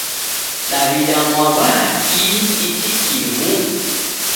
Daw'ida mwaw'a kihi ichi kimu?